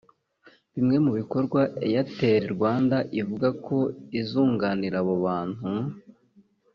Bimwe mu bikorwa Airtel Rwanda ivuga ko izunganira abo bantu